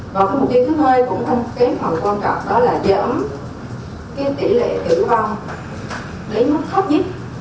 và mục tiêu thứ hai khoảng quan trọng đó là giảm tỷ lệ tử vong đến mức thấp nhất